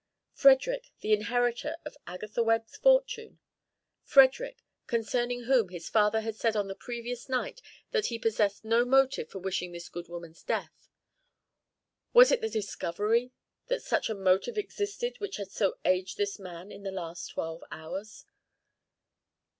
Frederick, the inheritor of Agatha Webb's fortune! Frederick, concerning whom his father had said on the previous night that he possessed no motive for wishing this good woman's death! Was it the discovery that such a motive existed which had so aged this man in the last twelve hours?